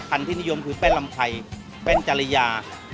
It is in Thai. ที่นิยมคือแป้นลำไพรแป้นจริยา